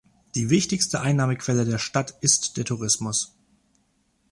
Die wichtigste Einnahmequelle der Stadt ist der Tourismus.